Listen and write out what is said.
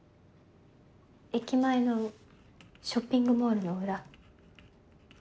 駅前のショッピングモールの裏。